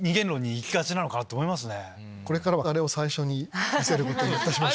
これからはあれを最初に見せることにいたします。